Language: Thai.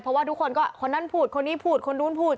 เพราะว่าทุกคนก็คนนั้นพูดคนนี้พูดคนนู้นพูด